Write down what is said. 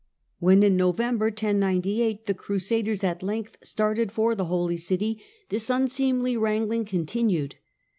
When, in November 1098, the Crusaders at length started for the Holy City, this unseemly wrangling continued.